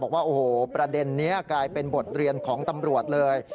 บอกว่าโอ้โหประเด็นนี้กลายเป็นบทเรียนของตำรวจเลย